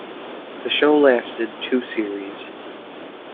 The show lasted two series.